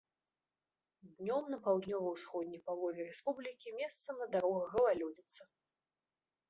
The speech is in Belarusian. Днём па паўднёва-ўсходняй палове рэспублікі месцамі на дарогах галалёдзіца.